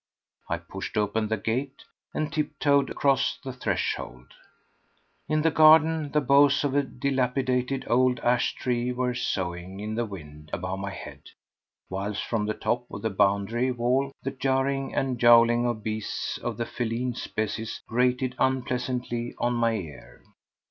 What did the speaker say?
I pushed open the gate and tip toed across the threshold. In the garden the boughs of a dilapidated old ash tree were soughing in the wind above my head, whilst from the top of the boundary wall the yarring and yowling of beasts of the feline species grated unpleasantly on my ear.